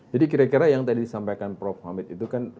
jadi kira kira yang tadi disampaikan prof hamid itu kan